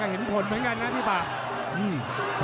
เห็นผลเหมือนกันนะพี่ปาก